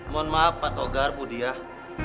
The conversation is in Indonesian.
mohon maaf pak togar budiah